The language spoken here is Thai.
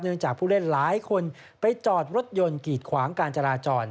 จากผู้เล่นหลายคนไปจอดรถยนต์กีดขวางการจราจร